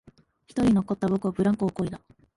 一人残った僕はブランコをこいだ